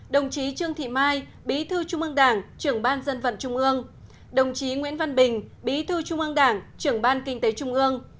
đồng chí trương thị mai bí thư trung ương đảng trưởng ban dân vận trung ương đồng chí nguyễn văn bình bí thư trung ương đảng trưởng ban kinh tế trung ương